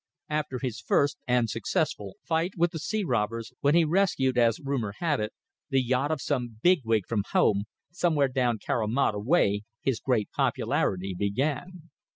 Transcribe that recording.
After his first and successful fight with the sea robbers, when he rescued, as rumour had it, the yacht of some big wig from home, somewhere down Carimata way, his great popularity began.